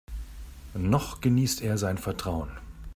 Noch genießt er sein Vertrauen.